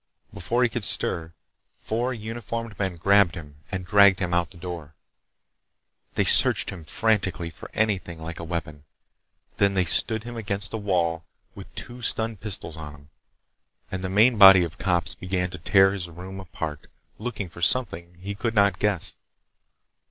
Before he could stir, four uniformed men grabbed him and dragged him out of bed. They searched him frantically for anything like a weapon. Then they stood him against a wall with two stun pistols on him, and the main body of cops began to tear his room apart, looking for something he could not guess.